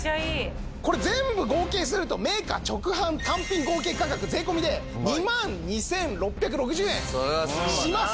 これ全部合計するとメーカー直販単品合計価格税込で２万２６６０円します。